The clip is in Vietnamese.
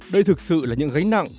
đây thực sự là những gánh nặng